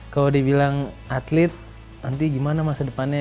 kalau dibilang atlet nanti gimana masa depannya